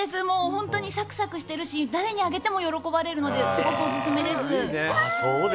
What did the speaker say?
本当にサクサクしてるし誰にあげても喜ばれるのですごくオススメです。